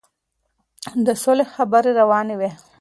د سولې خبرې روانې وې.